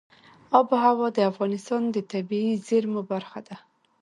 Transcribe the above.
آب وهوا د افغانستان د طبیعي زیرمو برخه ده.